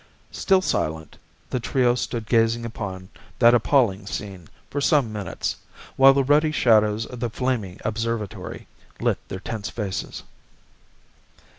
Still silent, the trio stood gazing upon that appalling scene for some minutes, while the ruddy shadows of the flaming observatory lit their tense faces.